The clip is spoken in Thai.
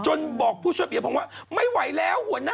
บอกผู้ช่วยเปียพงศ์ว่าไม่ไหวแล้วหัวหน้า